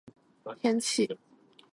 天气